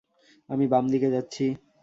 আমি বামদিকে যাচ্ছি।